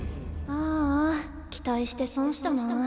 ああ期待して損したなあ。